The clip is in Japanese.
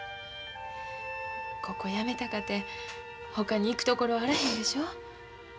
ここやめたかてほかに行く所あらへんでしょう。